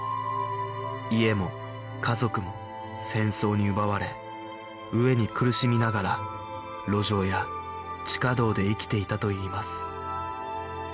家も家族も戦争に奪われ飢えに苦しみながら路上や地下道で生きていたといいます